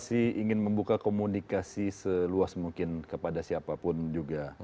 saya ingin membuka komunikasi seluas mungkin kepada siapapun juga